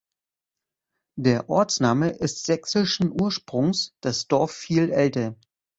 Der Ortsname ist sächsischen Ursprungs, das Dorf viel älter.